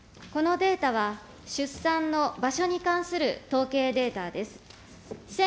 このデータは、出産の場所に関する統計データです。